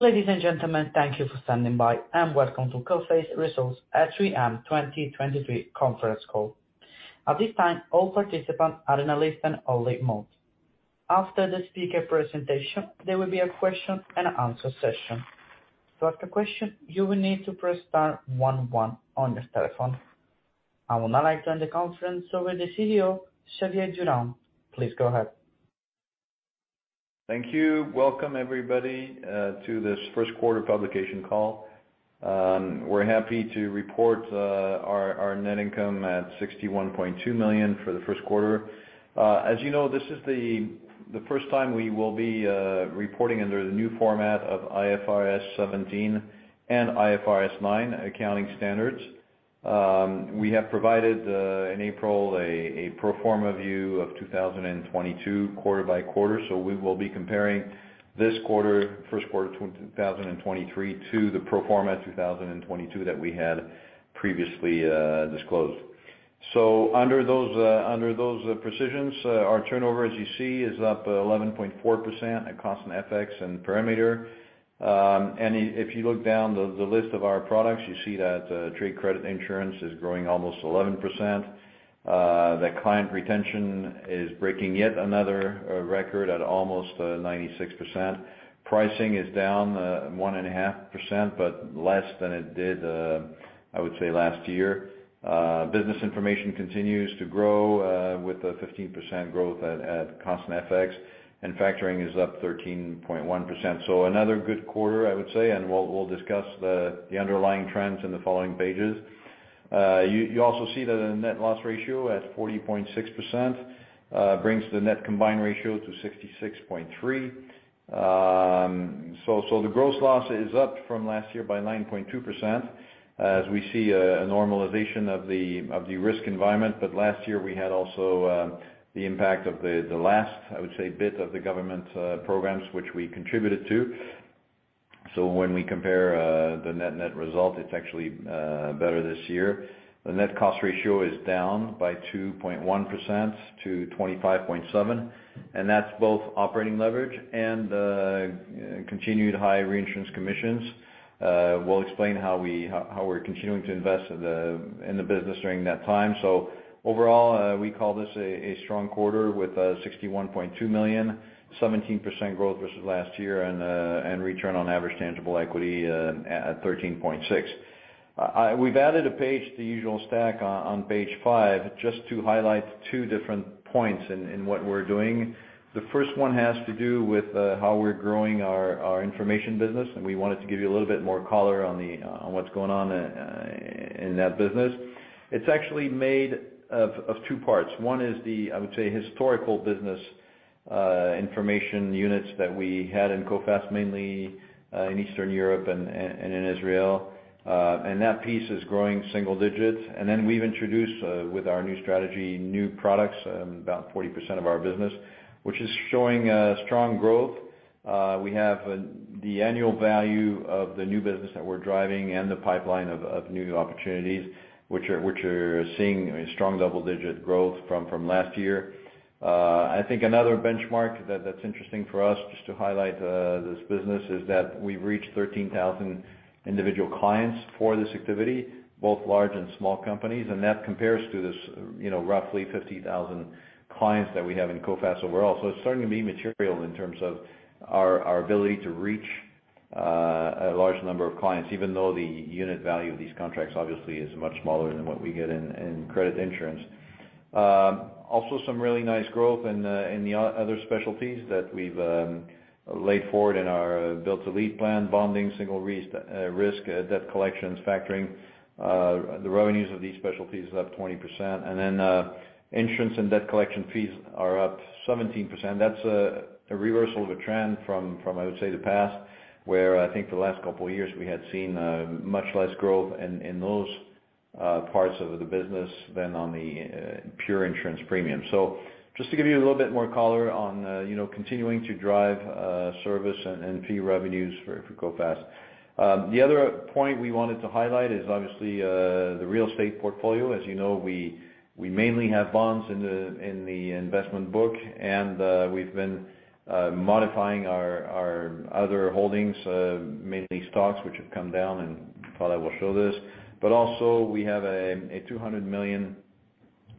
Ladies and gentlemen, thank you for standing by. Welcome to Coface Results at 3:00 A.M., 2023 conference call. At this time, all participants are in a listen only mode. After the speaker presentation, there will be a question-and-answer session. To ask a question, you will need to press star one one on your telephone. I would now like to hand the conference over to the CEO, Xavier Durand. Please go ahead. Thank you. Welcome everybody to this first quarter publication call. We're happy to report our net income at 61.2 million for the first quarter. As you know, this is the first time we will be reporting under the new format of IFRS 17 and IFRS 9 accounting standards. We have provided in April a pro forma view of 2022, quarter by quarter. We will be comparing this quarter, first quarter 2023 to the pro forma 2022 that we had previously disclosed. Under those, under those precisions, our turnover, as you see, is up 11.4% at constant FX and perimeter. If you look down the list of our products, you see that trade credit insurance is growing almost 11%. The client retention is breaking yet another record at almost 96%. Pricing is down 1.5%, but less than it did, I would say last year. Business information continues to grow with a 15% growth at constant FX, and factoring is up 13.1%. Another good quarter, I would say, and we'll discuss the underlying trends in the following pages. You also see that a net loss ratio at 40.6% brings the net combined ratio to 66.3%. The gross loss is up from last year by 9.2%, as we see a normalization of the risk environment. Last year, we had also the impact of the last, I would say, bit of the government programs, which we contributed to. When we compare the net result, it's actually better this year. The net cost ratio is down by 2.1% to 25.7%, and that's both operating leverage and continued high reinsurance commissions. We'll explain how we're continuing to invest in the business during that time. Overall, we call this a strong quarter with 61.2 million, 17% growth versus last year, and return on average tangible equity at 13.6%. We've added a page to the usual stack on page 5, just to highlight 2 different points in what we're doing. The first one has to do with how we're growing our information business, and we wanted to give you a little bit more color on what's going on in that business. It's actually made of 2 parts. One is the, I would say, historical business information units that we had in Coface, mainly in Eastern Europe and in Israel. That piece is growing single digits. Then we've introduced with our new strategy, new products, about 40% of our business, which is showing strong growth. We have the annual value of the new business that we're driving and the pipeline of new opportunities, which are seeing a strong double-digit growth from last year. I think another benchmark that's interesting for us, just to highlight this business, is that we've reached 13,000 individual clients for this activity, both large and small companies, and that compares to this, you know, roughly 50,000 clients that we have in Coface overall. It's starting to be material in terms of our ability to reach a large number of clients, even though the unit value of these contracts obviously is much smaller than what we get in credit insurance. Also some really nice growth in the other specialties that we've laid forward in our Build to Lead plan, bonding, single risk, debt collections, factoring. The revenues of these specialties is up 20%. Insurance and debt collection fees are up 17%. That's a reversal of a trend from, I would say, the past, where I think the last couple of years we had seen much less growth in those parts of the business than on the pure insurance premium. Just to give you a little bit more color on, you know, continuing to drive service and fee revenues for Coface. The other point we wanted to highlight is obviously the real estate portfolio. As you know, we mainly have bonds in the investment book, and we've been modifying our other holdings, mainly stocks, which have come down. Phalla will show this. Also, we have a 200 million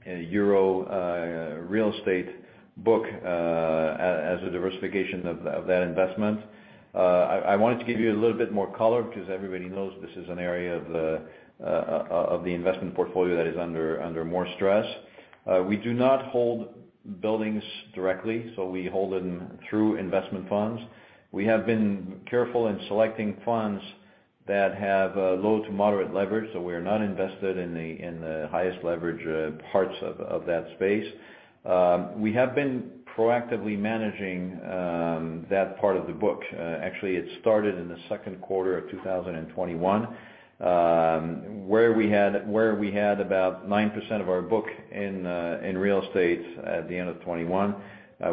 euro real estate book as a diversification of that investment. I wanted to give you a little bit more color, because everybody knows this is an area of the investment portfolio that is under more stress. We do not hold buildings directly, so we hold them through investment funds. We have been careful in selecting funds that have low to moderate leverage, so we are not invested in the highest leverage parts of that space. We have been proactively managing that part of the book. Actually, it started in the second quarter of 2021, where we had about 9% of our book in real estate at the end of 2021.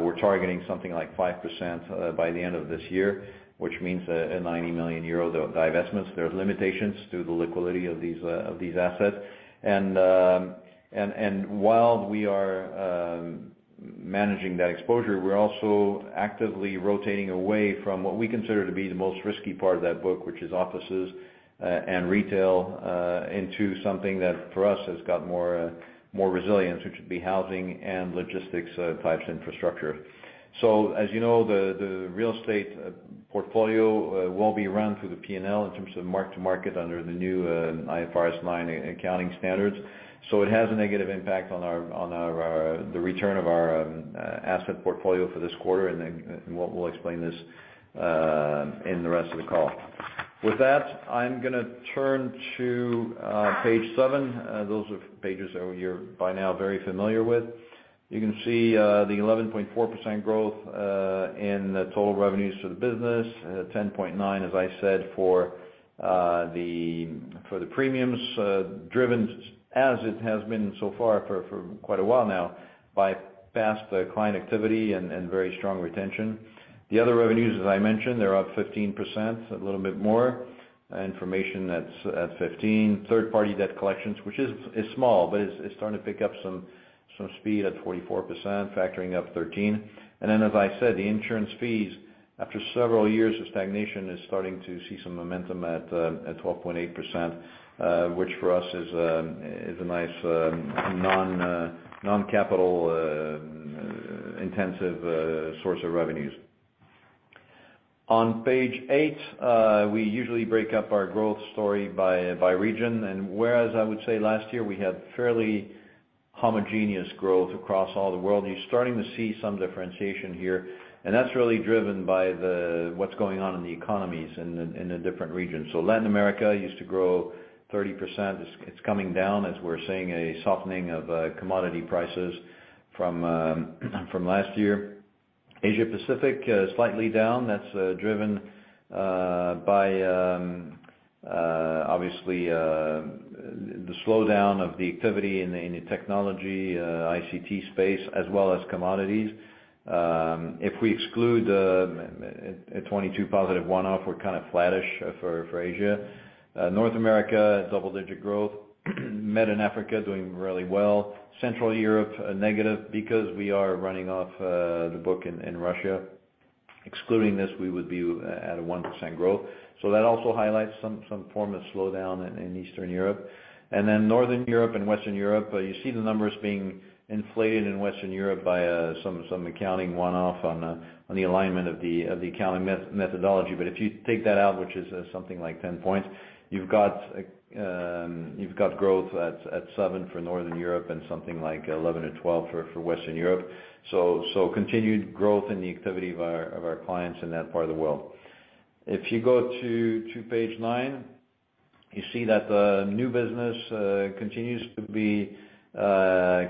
We're targeting something like 5% by the end of this year, which means a 90 million euro of divestments. There are limitations to the liquidity of these assets. While we are managing that exposure, we're also actively rotating away from what we consider to be the most risky part of that book, which is offices and retail, into something that, for us, has got more resilience, which would be housing and logistics types infrastructure. As you know, the real estate portfolio won't be run through the P&L in terms of mark-to-market under the new IFRS 9 accounting standards. It has a negative impact on our, on our, the return of our asset portfolio for this quarter, and then we'll explain this in the rest of the call. With that, I'm gonna turn to page 7. Those are pages that you're by now very familiar with. You can see the 11.4% growth in the total revenues to the business, 10.9, as I said, for the premiums, driven, as it has been so far for quite a while now, by past client activity and very strong retention. The other revenues, as I mentioned, they're up 15%, a little bit more. Information that's at 15%. Third-party debt collections, which is small, but it's starting to pick up some speed at 44%, factoring up 13%. As I said, the insurance fees, after several years of stagnation, is starting to see some momentum at 12.8%, which for us is a nice non-capital intensive source of revenues. On page 8, we usually break up our growth story by region, and whereas I would say last year, we had fairly homogeneous growth across all the world. You're starting to see some differentiation here, and that's really driven by what's going on in the economies in the different regions. Latin America used to grow 30%. It's coming down as we're seeing a softening of commodity prices from last year. Asia Pacific, slightly down. That's driven by obviously the slowdown of the activity in the technology ICT space, as well as commodities. If we exclude a 22 positive one-off, we're kind of flattish for Asia. North America, double-digit growth. Met in Africa, doing really well. Central Europe, negative because we are running off the book in Russia. Excluding this, we would be at a 1% growth. That also highlights some form of slowdown in Eastern Europe. Northern Europe and Western Europe, you see the numbers being inflated in Western Europe by some accounting one-off on the alignment of the accounting methodology. If you take that out, which is something like 10 points, you've got growth at 7 for Northern Europe and something like 11 or 12 for Western Europe. Continued growth in the activity of our clients in that part of the world. If you go to page 9, you see that the new business continues to be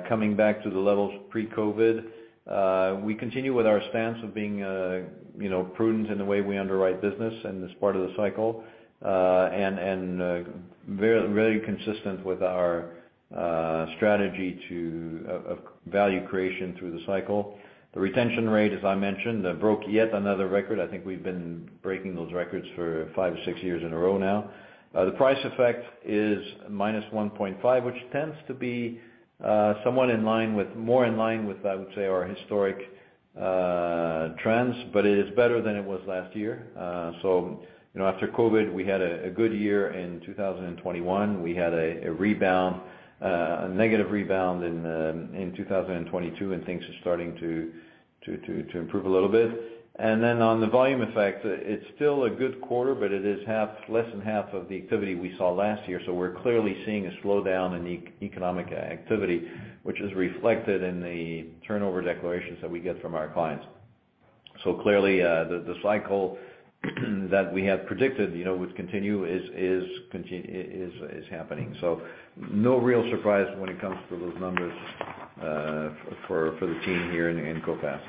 coming back to the levels pre-COVID. We continue with our stance of being, you know, prudent in the way we underwrite business in this part of the cycle, and very consistent with our strategy of value creation through the cycle. The retention rate, as I mentioned, broke yet another record. I think we've been breaking those records for 5 or 6 years in a row now. The price effect is -1.5, which tends to be somewhat more in line with, I would say, our historic trends, but it is better than it was last year. You know, after COVID, we had a good year in 2021. We had a rebound, a negative rebound in 2022, and things are starting to improve a little bit. On the volume effect, it's still a good quarter, but it is less than half of the activity we saw last year. We're clearly seeing a slowdown in economic activity, which is reflected in the turnover declarations that we get from our clients. Clearly, the cycle that we had predicted, you know, would continue, is happening. No real surprise when it comes to those numbers, for the team here in Coface.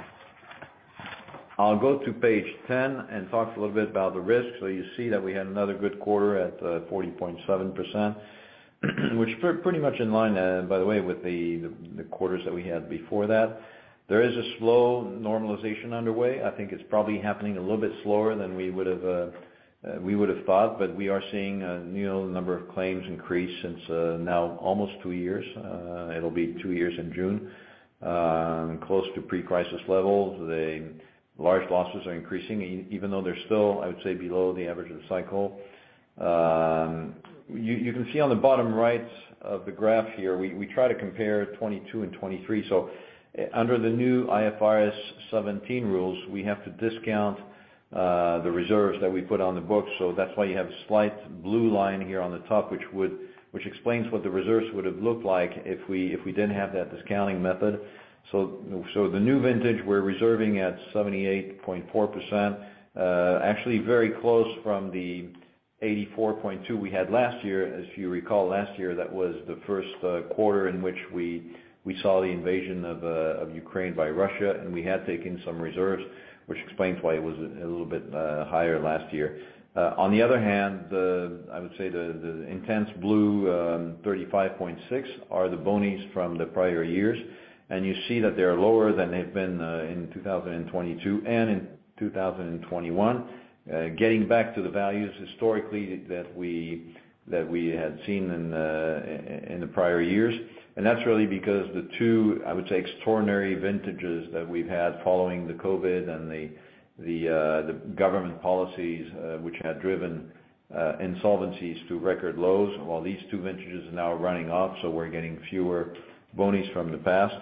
I'll go to page 10 and talk a little bit about the risk. You see that we had another good quarter at 40.7%, which pretty much in line, by the way, with the quarters that we had before that. There is a slow normalization underway. I think it's probably happening a little bit slower than we would've thought, but we are seeing a new number of claims increase since now almost 2 years. It'll be 2 years in June, close to pre-crisis levels. The large losses are increasing, even though they're still, I would say, below the average of the cycle. You can see on the bottom right of the graph here, we try to compare 2022 and 2023. Under the new IFRS 17 rules, we have to discount the reserves that we put on the books. That's why you have a slight blue line here on the top, which explains what the reserves would have looked like if we, if we didn't have that discounting method. The new vintage, we're reserving at 78.4%, actually very close from the 84.2% we had last year. As you recall, last year, that was the first quarter in which we saw the invasion of Ukraine by Russia, and we had taken some reserves, which explains why it was a little bit higher last year. On the other hand, I would say the intense blue, 35.6 are the bonuses from the prior years, and you see that they are lower than they've been in 2022 and in 2021. Getting back to the values historically that we had seen in the prior years. That's really because the two, I would say, extraordinary vintages that we've had following the COVID and the government policies, which had driven insolvencies to record lows, while these two vintages are now running off, so we're getting fewer bonuses from the past,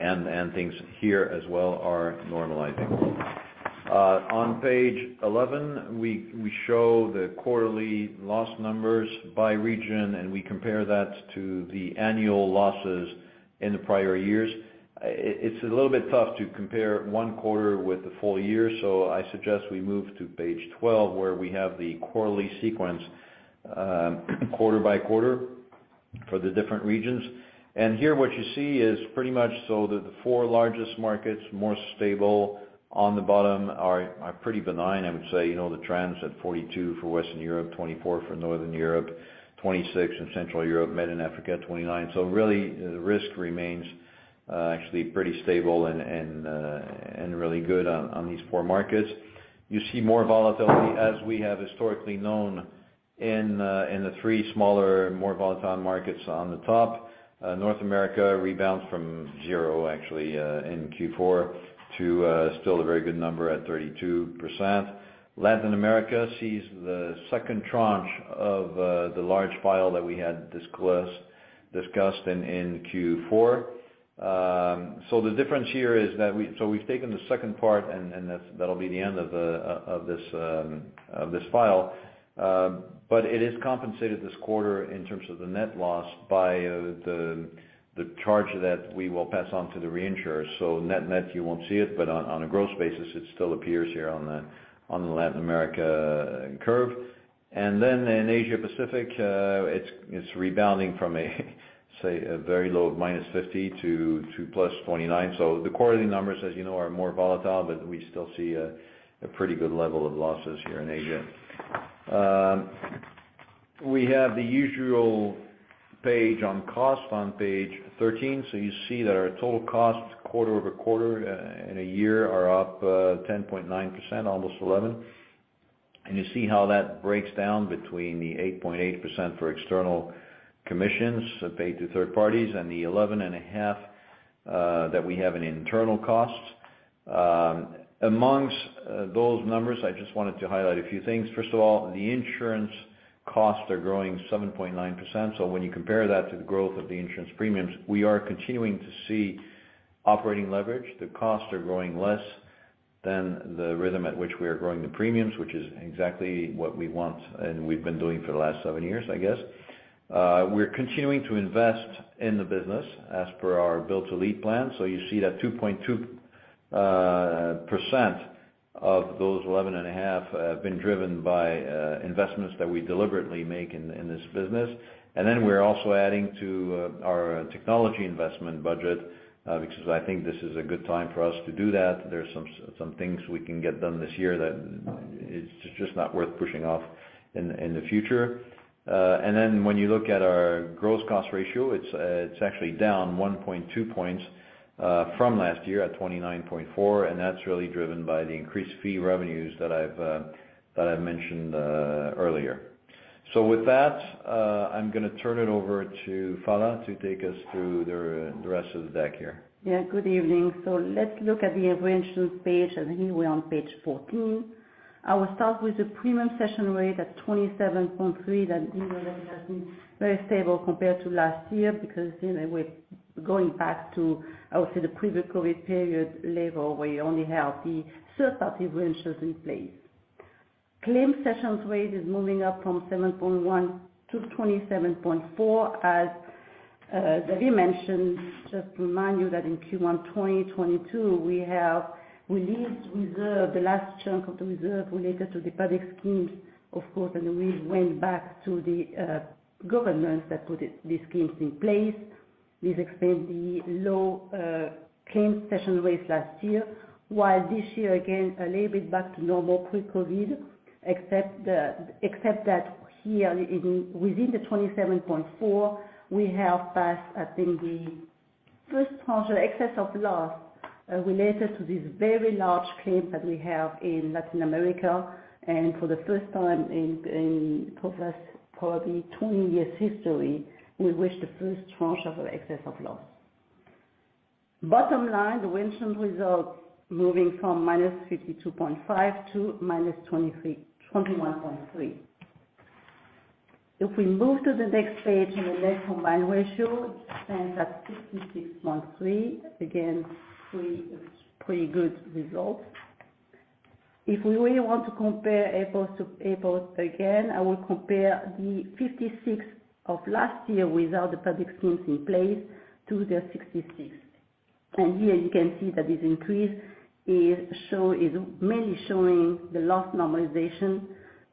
and things here as well are normalizing. On page 11, we show the quarterly loss numbers by region, and we compare that to the annual losses in the prior years. It's a little bit tough to compare one quarter with the full year. I suggest we move to page 12, where we have the quarterly sequence, quarter by quarter for the different regions. Here, what you see is pretty much so that the four largest markets, more stable on the bottom are pretty benign. I would say, you know, the trends at 42 for Western Europe, 24 for Northern Europe, 26 in Central Europe, Middle and Africa, 29. Really, the risk remains, actually pretty stable and really good on these four markets. You see more volatility as we have historically known in the three smaller, more volatile markets on the top. North America rebounds from 0, actually, in Q4 to still a very good number at 32%. Latin America sees the second tranche of the large file that we had discussed in Q4. The difference here is that we've taken the second part, and that's, that'll be the end of this file. It is compensated this quarter in terms of the net loss by the charge that we will pass on to the reinsurers. Net-net, you won't see it, but on a gross basis, it still appears here on the Latin America curve. In Asia Pacific, it's rebounding from a say, a very low of -50 to +29. The quarterly numbers, as you know, are more volatile, but we still see a pretty good level of losses here in Asia. We have the usual page on cost on page 13. You see that our total costs quarter-over-quarter, in a year are up 10.9%, almost 11. You see how that breaks down between the 8.8% for external commissions paid to third parties and the 11.5% that we have in internal costs. Amongst those numbers, I just wanted to highlight a few things. First of all, the insurance costs are growing 7.9%. When you compare that to the growth of the insurance premiums, we are continuing to see operating leverage. The costs are growing less than the rhythm at which we are growing the premiums, which is exactly what we want, and we've been doing for the last seven years, I guess. We're continuing to invest in the business as per our Build to Lead plan. You see that 2.2% of those 11.5 have been driven by investments that we deliberately make in this business. We're also adding to our technology investment budget because I think this is a good time for us to do that. There's some things we can get done this year that it's just not worth pushing off in the future. When you look at our gross cost ratio, it's actually down 1.2 points from last year at 29.4%, and that's really driven by the increased fee revenues that I've mentioned earlier. With that, I'm gonna turn it over to Phalla to take us through the rest of the deck here. Good evening. Let's look at the reinsurance page, and here we're on page 14. I will start with the premium cession rate at 27.3%, that, you know, that has been very stable compared to last year, because, you know, we're going back to, I would say, the pre-COVID period level, where you only have the third-party reinsurers in place. Claims cession rate is moving up from 7.1% to 27.4%, as Xavier Durand mentioned. Just to remind you that in Q1 2022, we have released reserve, the last chunk of the reserve related to the public schemes, of course, and we went back to the governments that put these schemes in place. This explained the low claims cession rates last year, while this year, again, a little bit back to normal pre-COVID, except that here within the 27.4%, we have passed, I think, the first tranche excess of loss related to this very large claim that we have in Latin America. For the first time in probably 20 years history, we reached the first tranche of our excess of loss. Bottom line, the reinsurance results moving from minus 52.5 to minus 21.3. If we move to the next page, on the net combined ratio, it stands at 66.3%. Again, pretty good results. If we really want to compare apples to apples, again, I will compare the 56% of last year without the public schemes in place to the 66%. Here you can see that this increase is mainly showing the last normalization,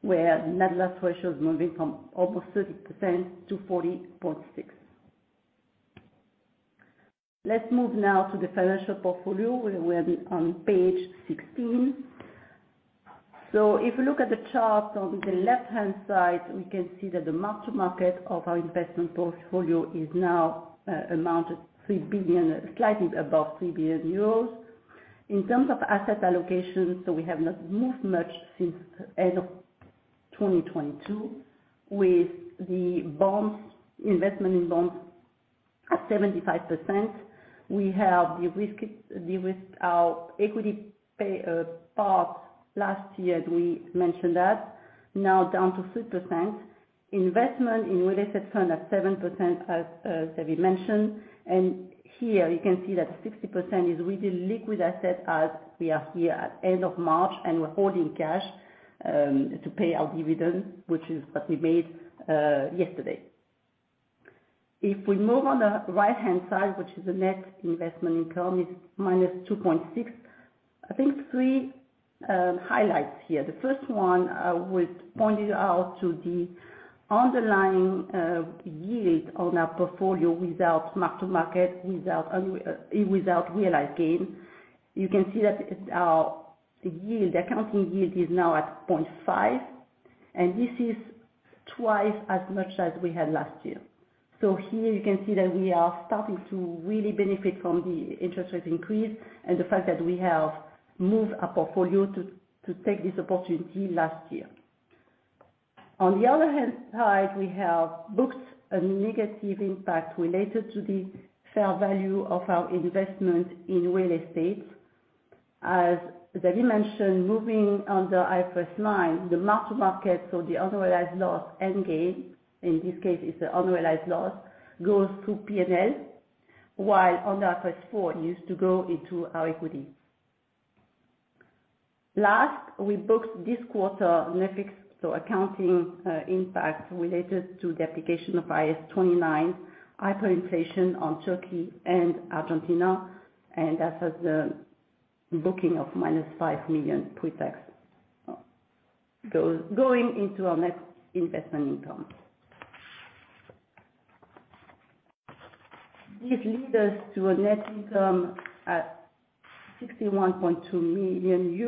where net loss ratio is moving from almost 30% to 40.6%. Let's move now to the financial portfolio, where we are on page 16. If you look at the chart on the left-hand side, we can see that the mark-to-market of our investment portfolio is now amounted 3 billion, slightly above 3 billion euros. In terms of asset allocation, we have not moved much since end of 2022, with the bonds, investment in bonds at 75%. We have de-risked our equity pay part last year, as we mentioned that, now down to 3%. Investment in real estate fund at 7%, as Xavier Durand mentioned. Here, you can see that 60% is really liquid asset, as we are here at end of March, and we're holding cash to pay our dividend, which is what we made yesterday. If we move on the right-hand side, which is the net investment income, is -2.6. I think 3 highlights here. The first one, I would point it out to the underlying yield on our portfolio without mark-to-market, without realized gain. You can see that it's our yield, accounting yield is now at 0.5%, and this is twice as much as we had last year. Here, you can see that we are starting to really benefit from the interest rate increase, and the fact that we have moved our portfolio to take this opportunity last year. On the other hand side, we have booked a negative impact related to the fair value of our investment in real estate. As Xavier Durand mentioned, moving under IFRS 9, the mark-to-market, so the unrealized loss and gain, in this case, it's the unrealized loss, goes to P&L, while under IFRS 4, it used to go into our equity. Last, we booked this quarter an effect, so accounting impact related to the application of IAS 29 hyperinflation on Turkey and Argentina, and that has the booking of minus 5 million pre-tax. Going into our net investment income. This leads us to a net income at 61.2 million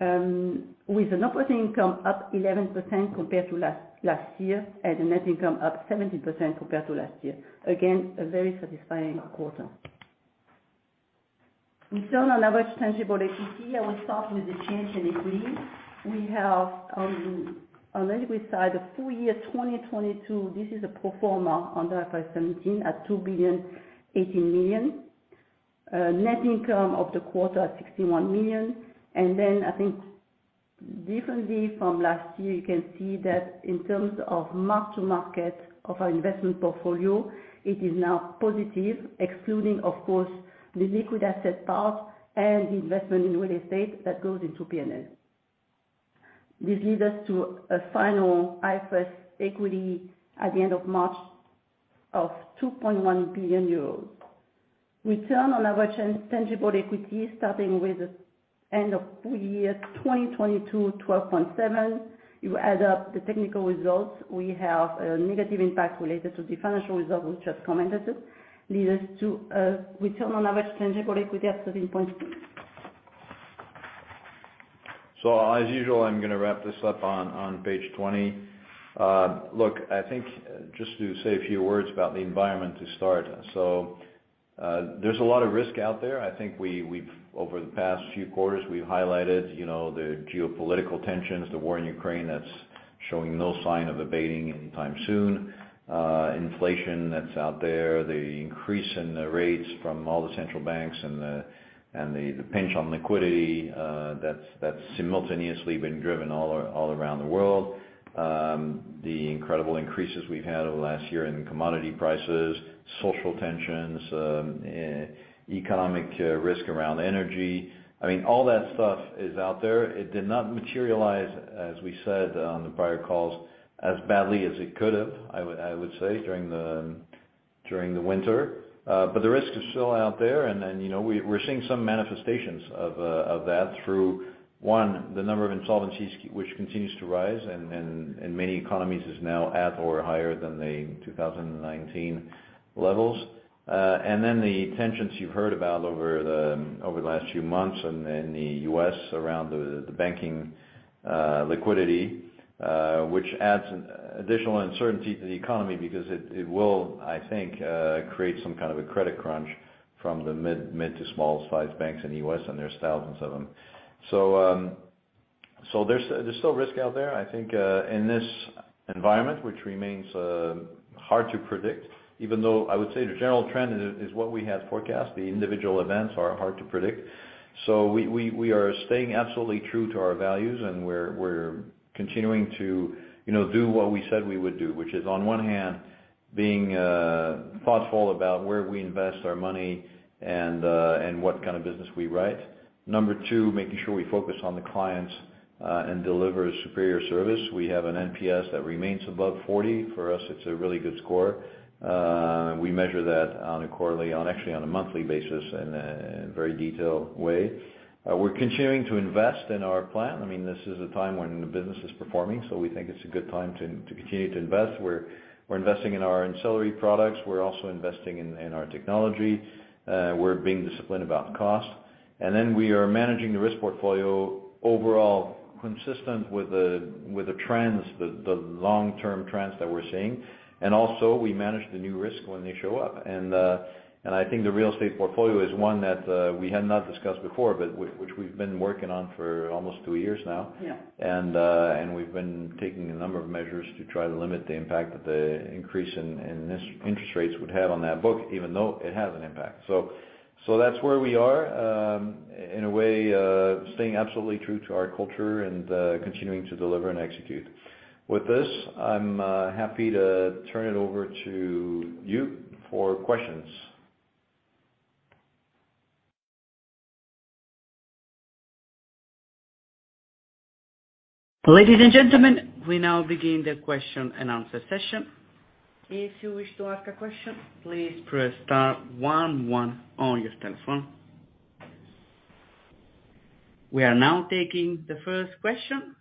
euros, with an operating income up 11% compared to last year, and the net income up 17% compared to last year. Again, a very satisfying quarter. Return on average tangible equity, I will start with the change in equity. We have on the equity side, the full year 2022, this is a pro forma under IFRS 17 at 2 billion 18 million. Net income of the quarter at 61 million, and then I think differently from last year, you can see that in terms of mark-to-market of our investment portfolio, it is now positive, excluding, of course, the liquid asset part and the investment in real estate that goes into P&L. This leads us to a final IFRS equity at the end of March of 2.1 billion euros. Return on average tangible equity, starting with the end of full year 2022, 12.7%. You add up the technical results, we have a negative impact related to the financial results, which I've commented to, lead us to a return on average tangible equity at 13.2%. As usual, I'm gonna wrap this up on page 20. Look, I think just to say a few words about the environment to start. There's a lot of risk out there. I think we've, over the past few quarters, we've highlighted, you know, the geopolitical tensions, the war in Ukraine, that's showing no sign of abating anytime soon. Inflation that's out there, the increase in the rates from all the central banks and the pinch on liquidity that's simultaneously been driven all around the world. The incredible increases we've had over the last year in commodity prices, social tensions, economic risk around energy. I mean, all that stuff is out there. It did not materialize, as we said on the prior calls, as badly as it could have, I would say, during the winter. The risk is still out there, and then, you know, we're seeing some manifestations of that through, one, the number of insolvencies, which continues to rise, and many economies is now at or higher than the 2019 levels. The tensions you've heard about over the last few months in the U.S. around the banking liquidity, which adds an additional uncertainty to the economy because it will, I think, create some kind of a credit crunch from the mid to small size banks in the U.S., and there's thousands of them. There's still risk out there. I think, in this environment, which remains hard to predict, even though I would say the general trend is what we had forecast, the individual events are hard to predict. We are staying absolutely true to our values, and we're continuing to, you know, do what we said we would do, which is, on one hand, being thoughtful about where we invest our money and what kind of business we write. Number two, making sure we focus on the clients and deliver superior service. We have an NPS that remains above 40. For us, it's a really good score. We measure that on a quarterly, actually, on a monthly basis, in a very detailed way. We're continuing to invest in our plan. I mean, this is a time when the business is performing, so we think it's a good time to continue to invest. We're investing in our ancillary products, we're also investing in our technology, we're being disciplined about cost. We are managing the risk portfolio overall, consistent with the trends, the long-term trends that we're seeing. We manage the new risk when they show up. I think the real estate portfolio is one that we had not discussed before, but which we've been working on for almost two years now. Yeah. We've been taking a number of measures to try to limit the impact that the increase in this interest rates would have on that book, even though it has an impact. That's where we are. In a way, staying absolutely true to our culture and continuing to deliver and execute. With this, I'm happy to turn it over to you for questions. Ladies and gentlemen, we now begin the question and answer session. If you wish to ask a question, please press star 1 on your telephone. We are now taking the first question.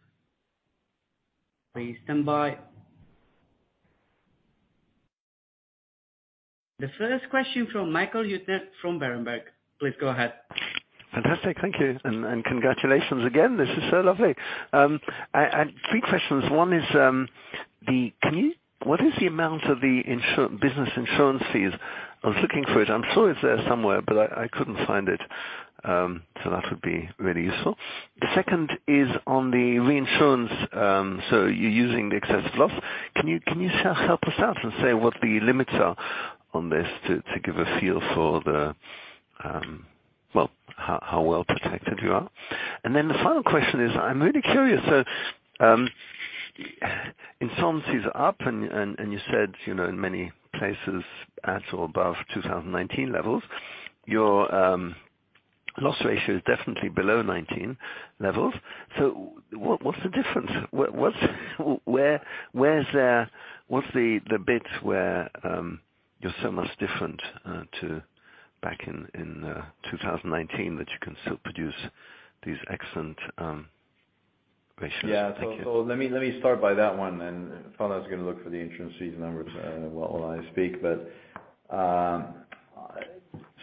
Please stand by. The first question from Michael Huttner from Berenberg. Please go ahead. Fantastic. Thank you, and congratulations again. This is so lovely. Three questions. One is, what is the amount of the business insurance fees? I was looking for it. I'm sure it's there somewhere, but I couldn't find it. That would be really useful. The second is on the reinsurance. You're using the excess loss. Can you help us out and say what the limits are on this to give a feel for the how well protected you are? Then the final question is, I'm really curious, insolvencies are up, and you said, you know, in many places, at or above 2019 levels, your loss ratio is definitely below 2019 levels. What's the difference? What's... What's the bit where you're so much different to back in 2019, that you can still produce these excellent ratios? Yeah. Thank you. Let me start by that one, and while I was gonna look for the insurance fees numbers while I speak.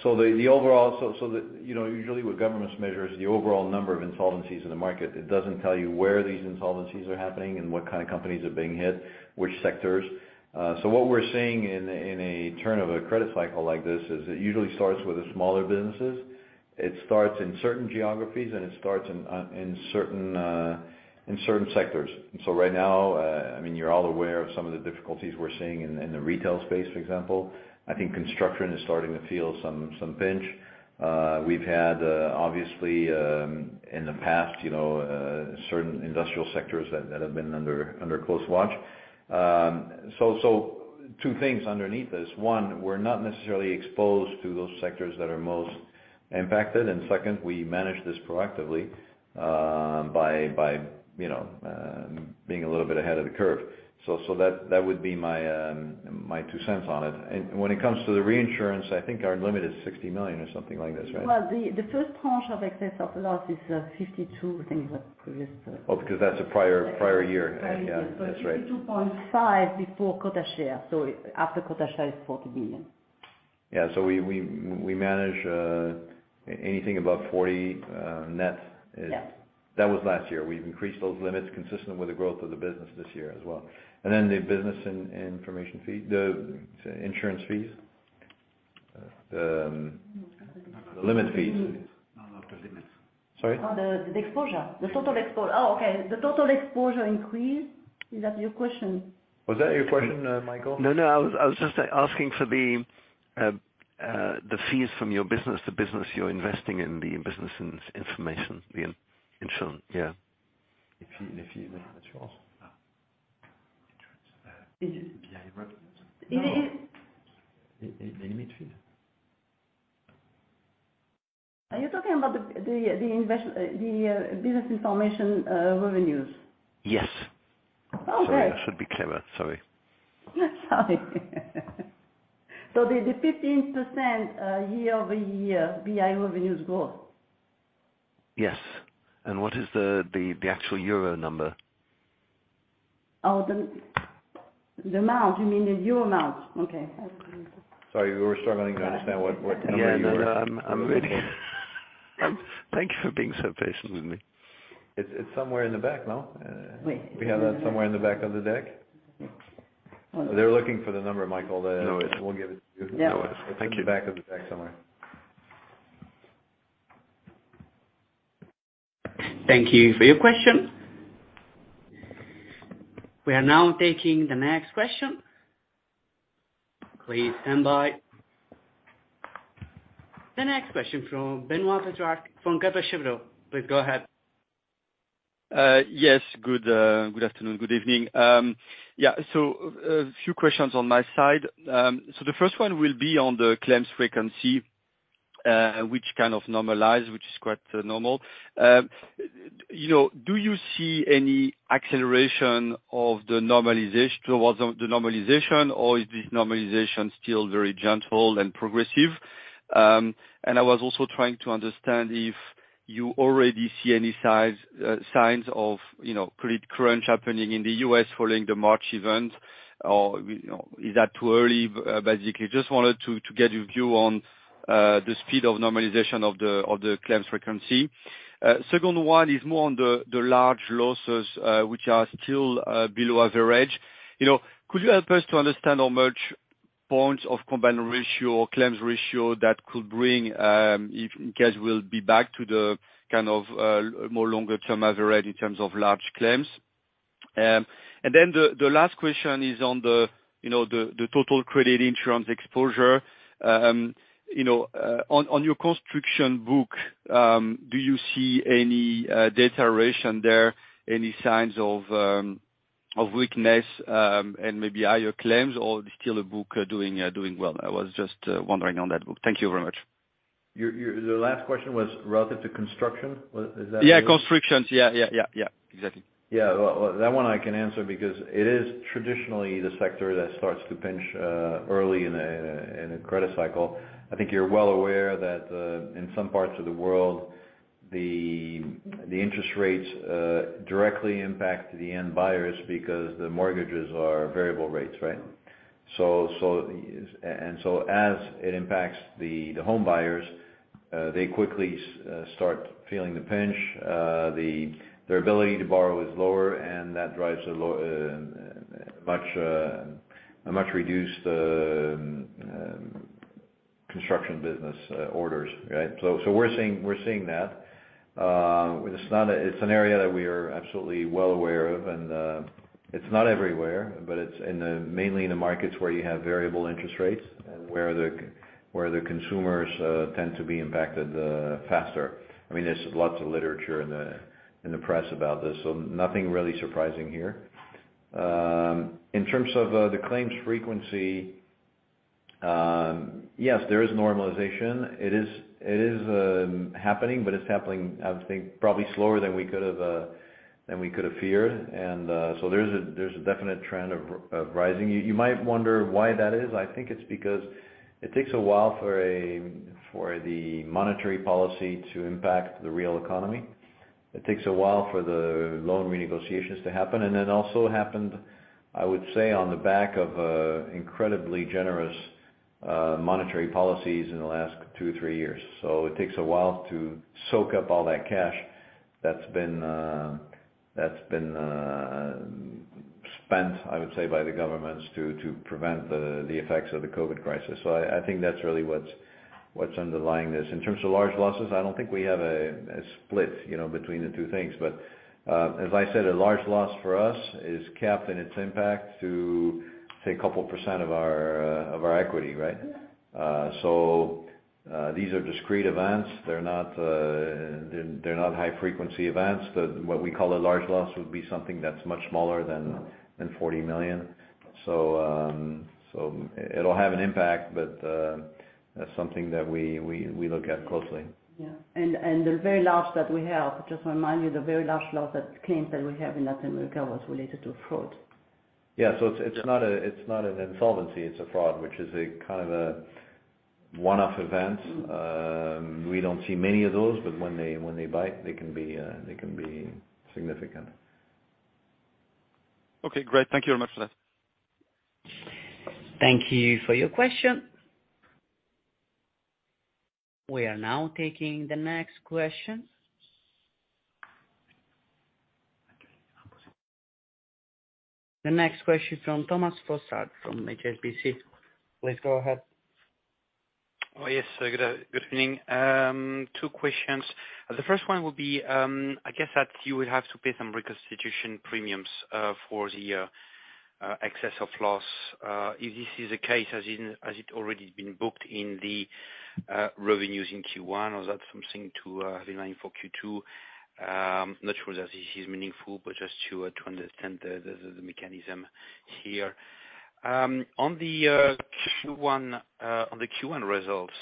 The overall, you know, usually what governments measure is the overall number of insolvencies in the market. It doesn't tell you where these insolvencies are happening and what kind of companies are being hit, which sectors. What we're seeing in a turn of a credit cycle like this, is it usually starts with the smaller businesses. It starts in certain geographies, and it starts in certain, in certain sectors. Right now, I mean, you're all aware of some of the difficulties we're seeing in the retail space, for example. I think construction is starting to feel some pinch. We've had, obviously, in the past, you know, certain industrial sectors that have been under close watch. two things underneath this. One, we're not necessarily exposed to those sectors that are most impacted, and second, we manage this proactively by, you know, being a little bit ahead of the curve. So that would be my two cents on it. And when it comes to the reinsurance, I think our limit is 60 million or something like this, right? Well, the first tranche of excess of loss is 52, I think, the previous. Oh, because that's a prior year. Right. Yeah. That's right. 2.5 million before quota share. After quota share, it's 40 million. Yeah. We manage anything above 40 net. Yeah. That was last year. We've increased those limits consistent with the growth of the business this year as well. The business information fee, the insurance fees, the limit fees. Limits. Sorry? The exposure, the total exposure. Okay. The total exposure increase. Is that your question? Was that your question, Michael? No, no. I was just asking for the fees from your business to business, you're investing in the business information, the insurance. Yeah. The fee, insurance. Is it- Yeah, the limit fee. Are you talking about the business information revenues? Yes. Oh, okay. Sorry. I should be clearer. Sorry. Sorry. the 15% year-over-year BI revenues growth? Yes. What is the actual EUR number? Oh, the amount, you mean the euro amount? Okay. Sorry, we were struggling to understand what number you were. Yeah. No, no, I'm really... Thank you for being so patient with me. It's somewhere in the back, no? Yes. We have that somewhere in the back of the deck. They're looking for the number, Michael. No worries. We'll give it to you. No, thank you. It's in the back of the deck somewhere. Thank you for your question. We are now taking the next question. Please stand by. The next question from Benoit Cœuré from Credit Suisse. Please go ahead. Yes. Good afternoon, good evening. Yeah, a few questions on my side. The first one will be on the claims frequency, which kind of normalize, which is quite normal. You know, do you see any acceleration of the normalization, towards the normalization, or is the normalization still very gentle and progressive? I was also trying to understand if you already see any signs of, you know, credit crunch happening in the U.S. following the March event, or, you know, is that too early? Basically, just wanted to get your view on the speed of normalization of the claims frequency. Second one is more on the large losses, which are still below average. You know, could you help us to understand how much points of combined ratio or claims ratio that could bring, if in case we'll be back to the kind of more longer term average in terms of large claims? Then the last question is on the, you know, the total credit insurance exposure. You know, on your construction book, do you see any deterioration there, any signs of weakness, and maybe higher claims, or is still a book doing well? I was just wondering on that book. Thank you very much. Your, the last question was relative to construction, is that right? Yeah, constructions. Yeah, yeah, yeah. Exactly. Yeah. Well, that one I can answer because it is traditionally the sector that starts to pinch early in a credit cycle. I think you're well aware that in some parts of the world, the interest rates directly impact the end buyers because the mortgages are variable rates, right? As it impacts the home buyers, they quickly start feeling the pinch. Their ability to borrow is lower, and that drives a much, a much reduced construction business orders, right? We're seeing that. It's not an area that we are absolutely well aware of. It's not everywhere, but it's in the mainly in the markets where you have variable interest rates and where the consumers tend to be impacted faster. I mean, there's lots of literature in the press about this, so nothing really surprising here. In terms of the claims frequency, yes, there is normalization. It is happening, but it's happening, I would think, probably slower than we could have feared. There's a definite trend of rising. You might wonder why that is. I think it's because it takes a while for the monetary policy to impact the real economy. It takes a while for the loan renegotiations to happen, and it also happened, I would say, on the back of incredibly generous monetary policies in the last 2, 3 years. It takes a while to soak up all that cash that's been spent, I would say, by the governments to prevent the effects of the COVID crisis. I think that's really what's underlying this. In terms of large losses, I don't think we have a split, you know, between the two things. As I said, a large loss for us is capped in its impact to, say, a couple % of our equity, right? These are discrete events. They're not high-frequency events. The, what we call a large loss would be something that's much smaller than 40 million. It'll have an impact, but that's something that we look at closely. Yeah. The very large that we have, just to remind you, the very large loss that claims that we have in Latin America was related to fraud. Yeah. It's not a, it's not an insolvency, it's a fraud, which is a kind of a one-off event. We don't see many of those, but when they bite, they can be significant. Okay, great. Thank you very much for that. Thank you for your question. We are now taking the next question. The next question from Thomas Fossard, from HSBC. Please go ahead. Oh, yes. Good, good evening. Two questions. The first one would be, I guess that you will have to pay some reinstatement premium for the excess of loss. If this is the case, has it already been booked in the revenues in Q1, or is that something to align for Q2? Not sure that this is meaningful, but just to understand the mechanism here. On the Q1, on the Q1 results,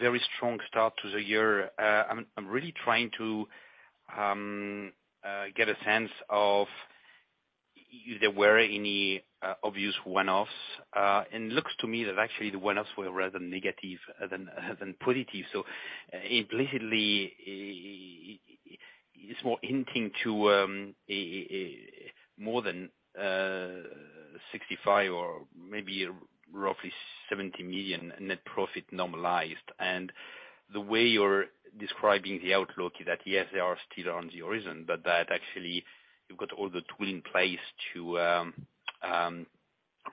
very strong start to the year. I'm really trying to get a sense of if there were any obvious one-offs, and it looks to me that actually the one-offs were rather negative than positive. Implicitly, it's more hinting to a more than 65 million or maybe roughly 70 million net profit normalized. The way you're describing the outlook is that, yes, they are still on the horizon, but that actually you've got all the tool in place to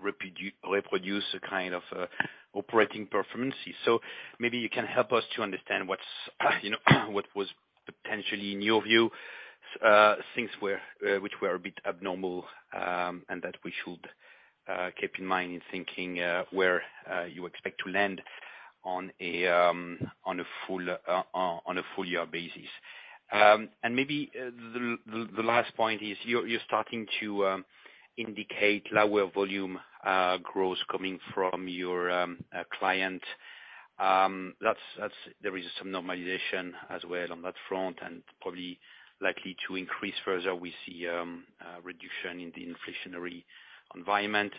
reproduce a kind of operating performance. Maybe you can help us to understand what's, you know, what was potentially, in your view, things were which were a bit abnormal, and that we should keep in mind in thinking where you expect to land on a full year basis. Maybe the last point is, you're starting to indicate lower volume growth coming from your client. There is some normalization as well on that front, and probably likely to increase further. We see a reduction in the inflationary environment.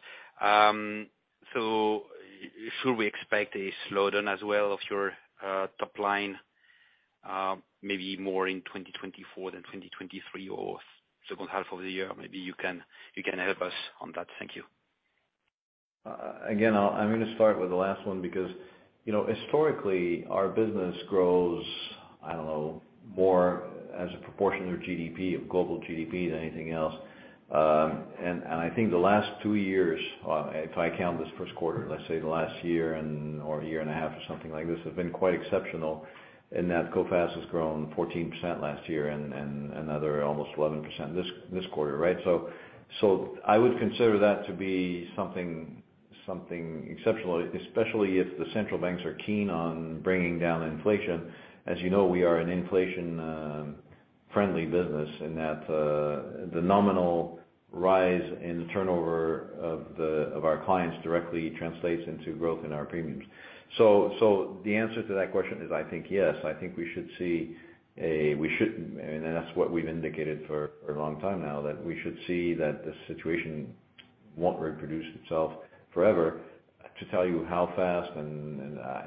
Should we expect a slowdown as well of your top line, maybe more in 2024 than 2023, or second half of the year? Maybe you can help us on that. Thank you. again, I'm gonna start with the last one, because, you know, historically, our business grows, I don't know, more as a proportion of GDP, of global GDP than anything else. I think the last two years, if I count this first quarter, let's say the last year and, or year and a half or something like this, have been quite exceptional in that Coface has grown 14% last year and another almost 11% this quarter, right? I would consider that to be something exceptional, especially if the central banks are keen on bringing down inflation. As you know, we are an inflation friendly business in that the nominal rise in the turnover of our clients directly translates into growth in our premiums. The answer to that question is, I think, yes, I think we should see we should, and that's what we've indicated for, a long time now, that we should see that this situation won't reproduce itself forever. To tell you how fast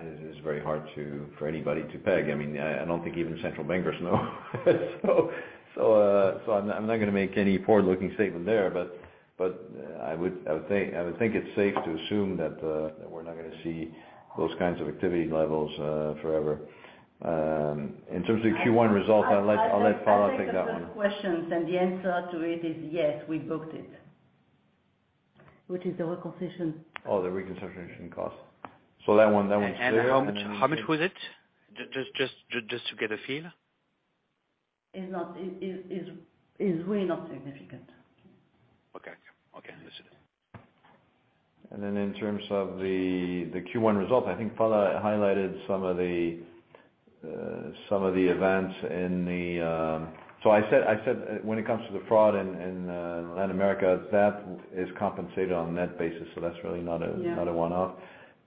is very hard to, for anybody to peg. I mean, I don't think even central bankers know. I'm not gonna make any forward-looking statement there, but I would think it's safe to assume that we're not gonna see those kinds of activity levels forever. In terms of Q1 results, I'll let Phalla take that one. Questions. The answer to it is, yes, we booked it. Which is the reconciliation? Oh, the reconciliation cost. that one... How much was it? Just to get a feel. Is not, is really not significant. Okay. Okay, listen. In terms of the Q1 result, I think Phalla highlighted some of the events. I said, when it comes to the fraud in Latin America, that is compensated on net basis. Yeah. not a one-off.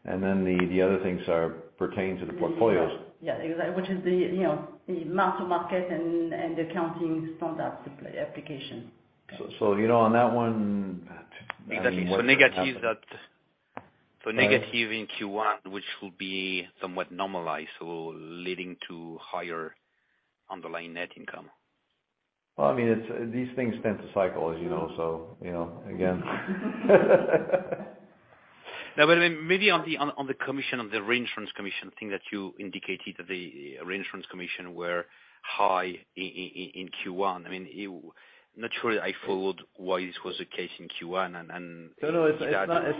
The other things are pertaining to the portfolios. Yeah, which is the, you know, the mark-to-market and the accounting standard application. you know, on that one, maybe what happened... Negative that, so negative in Q1, which will be somewhat normalized, so leading to higher underlying net income. Well, I mean, it's, these things tend to cycle, as you know. you know, again, Well, maybe on the commission, on the reinsurance commission, thing that you indicated that the reinsurance commission were high in Q1. I mean, it. Not sure I followed why this was the case in Q1? No, it's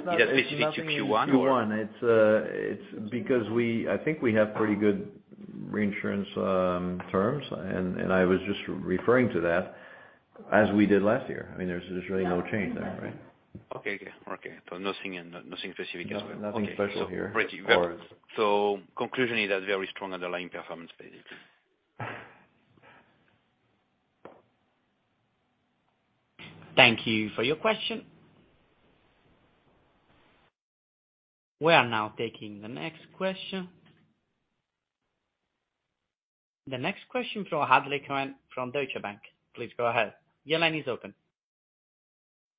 not. Specific to Q1 or? Q1. It's because we, I think we have pretty good reinsurance terms, and I was just referring to that, as we did last year. I mean, there's really no change there, right? Okay. Yeah, okay. Nothing in, nothing specific as well. No, nothing special here. Conclusion is that very strong underlying performance basically. Thank you for your question. We are now taking the next question. The next question from Hadley Barrett from Deutsche Bank. Please go ahead. Your line is open.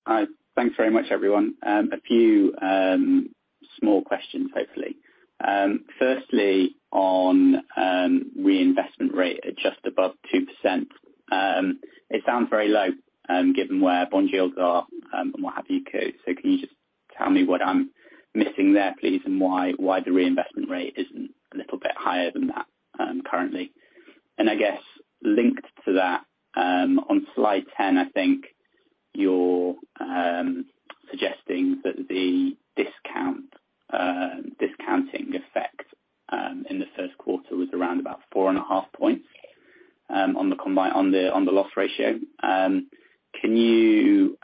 Hi. Thanks very much, everyone. A few small questions, hopefully. Firstly, on reinvestment rate at just above 2%, it sounds very low, given where bond yields are, and what have you, Cohen. Can you just tell me what I'm missing there, please, and why the reinvestment rate isn't a little bit higher than that currently? I guess linked to that, on slide 10, I think you're suggesting that the discounting effect in the first quarter was around about 4.5 points on the combine, on the loss ratio. Can you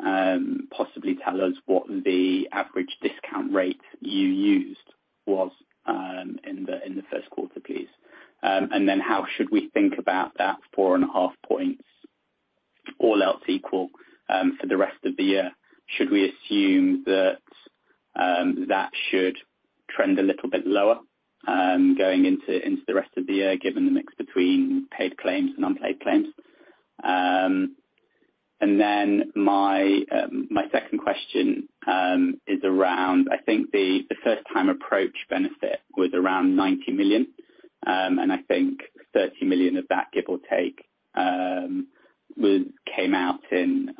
possibly tell us what the average discount rate you used was in the first quarter, please? How should we think about that 4.5 points, all else equal, for the rest of the year? Should we assume that that should trend a little bit lower, going into the rest of the year, given the mix between paid claims and unpaid claims? My second question is around, I think the first-time approach benefit was around 90 million, and I think 30 million of that, give or take, came out in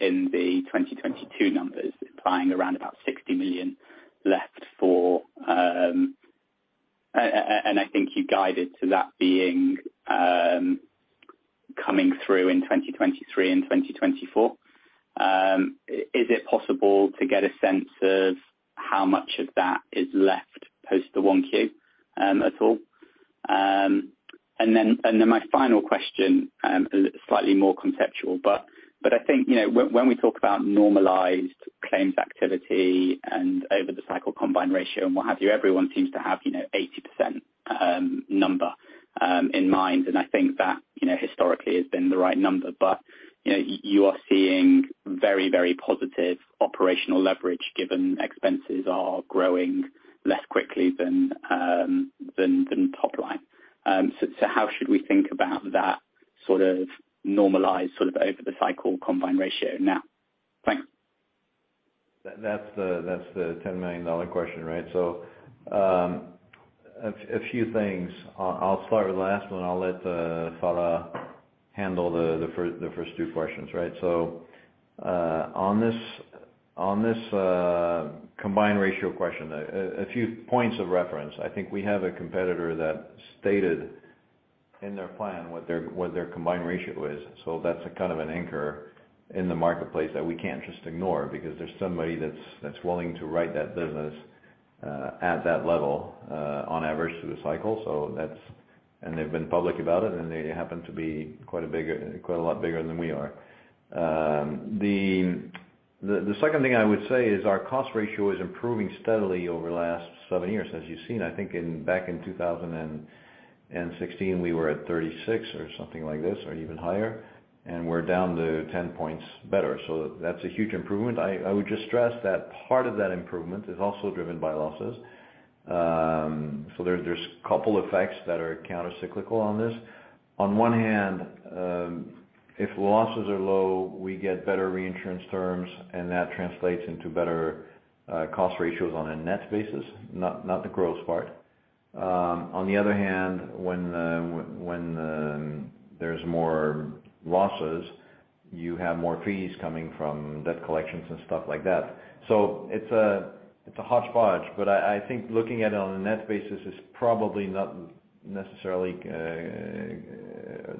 the 2022 numbers, implying around about 60 million left for... I think you guided to that being coming through in 2023 and 2024. Is it possible to get a sense of how much of that is left post the 1Q at all? My final question, slightly more conceptual, but I think, you know, when we talk about normalized claims activity and over the cycle combined ratio and what have you, everyone seems to have, you know, 80% number in mind. I think that, you know, historically has been the right number. You know, you are seeing very positive operational leverage given expenses are growing less quickly than top line. How should we think about that sort of normalized, sort of over the cycle combined ratio now? Thanks. That's the $10 million question, right? A few things. I'll start with the last one, I'll let Phalla handle the first two questions, right? On this combined ratio question, a few points of reference. I think we have a competitor that stated in their plan what their combined ratio is. That's a kind of an anchor in the marketplace that we can't just ignore, because there's somebody that's willing to write that business at that level on average through the cycle. That's. They've been public about it, and they happen to be quite a lot bigger than we are. The second thing I would say is our cost ratio is improving steadily over the last seven years, as you've seen. I think back in 2016, we were at 36 or something like this, or even higher, and we're down to 10 points better. That's a huge improvement. I would just stress that part of that improvement is also driven by losses. There's couple effects that are countercyclical on this. On one hand, if losses are low, we get better reinsurance terms, and that translates into better cost ratios on a net basis, not the gross part. On the other hand, when there's more losses, you have more fees coming from debt collections and stuff like that. It's a, it's a hodgepodge, but I think looking at it on a net basis is probably not necessarily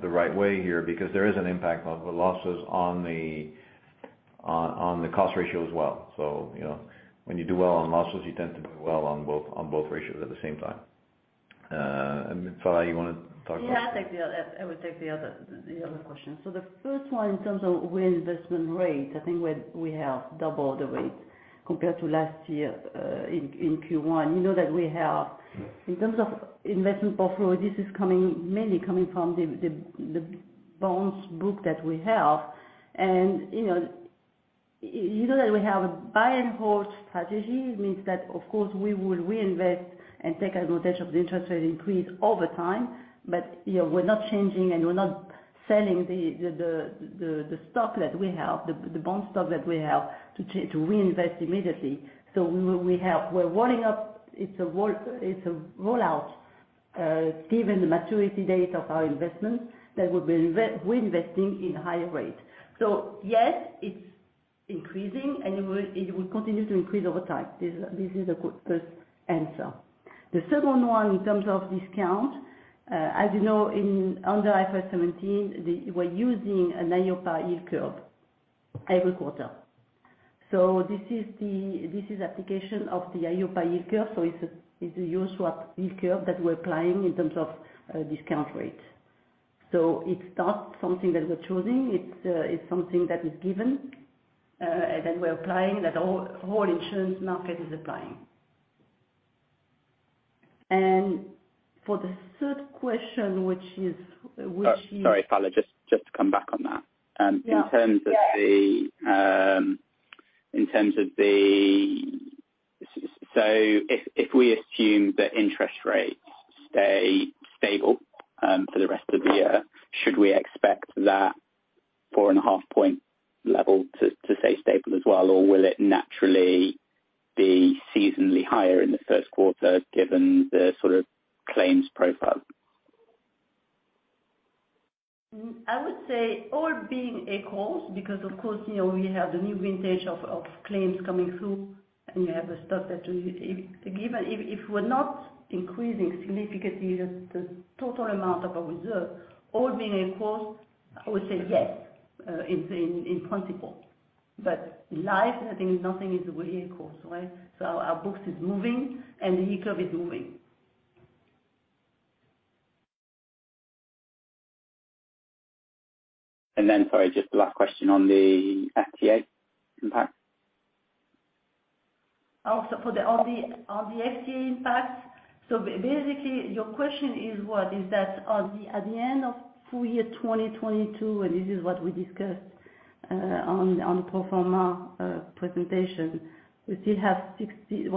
the right way here, because there is an impact of the losses on the cost ratio as well. You know, when you do well on losses, you tend to do well on both ratios at the same time. Phalla, you wanna talk about... Yeah, I'll take the other question. The first one, in terms of reinvestment rate, I think we have double the rate compared to last year in Q1. You know that we have, in terms of investment portfolio, this is coming, mainly coming from the bonds group that we have. You know, you know that we have a buy and hold strategy, means that, of course, we will reinvest and take advantage of the interest rate increase over time, but, you know, we're not changing, and we're not selling the stock that we have, the bond stock that we have, to reinvest immediately. We're walling up. It's a rollout, given the maturity date of our investment, that we'll be reinvesting in higher rate. Yes, it's increasing, and it will continue to increase over time. This is a first answer. The second one, in terms of discount, as you know, under IFRS 17, we're using an EIOPA yield curve every quarter. This is application of the EIOPA yield curve, so it's a usual yield curve that we're applying in terms of discount rate. It's not something that we're choosing, it's something that is given and that we're applying, that whole insurance market is applying. For the third question, which is. sorry, Phalla, just to come back on that. Yeah. In terms of the so if we assume that interest rates stay stable for the rest of the year, should we expect that 4.5-point level to stay stable as well? Will it naturally be seasonally higher in the first quarter, given the sort of claims profile? I would say all being equal, because of course, you know, we have the new vintage of claims coming through, and you have the stuff that if, given, if we're not increasing significantly the total amount of our reserve, all being equal, I would say yes, in principle. In life, I think nothing is the way equal, so right? Our books is moving, and the yield curve is moving. Sorry, just the last question on the FCA impact. For the, on the FCA impact, basically, your question is what? Is that on the, at the end of full year 2022, and this is what we discussed, on pro forma presentation, we still have 60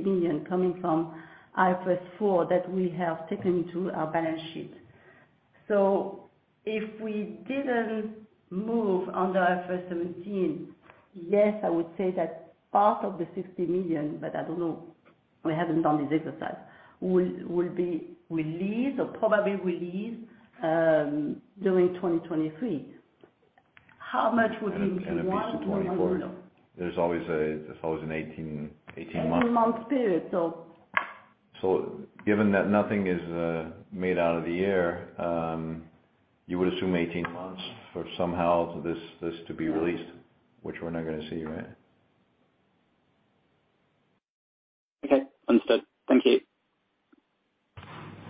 million coming from IFRS 4 that we have taken to our balance sheet. If we didn't move under IFRS 17, yes, I would say that part of the 60 million, but I don't know, we haven't done this exercise, will be released or probably released during 2023. How much would it be in 1? I don't know. There's always an 18-month- 18-month period. Given that nothing is made out of the air, you would assume 18 months for somehow this to be released, which we're not gonna see, right? Okay, understood. Thank you.